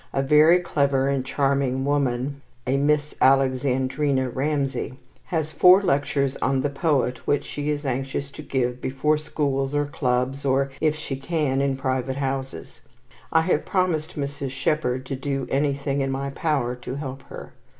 A very clever and charming woman, a Miss Alexandrina Ramsay, has four lectures on the poet which she is anxious to give before schools, or clubs, or if she can in private houses. I have promised Mrs. Shepherd to do anything in my power to help her.